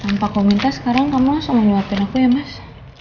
tanpa aku minta sekarang kamu langsung mau nyuapin aku ya mas